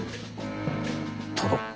殿。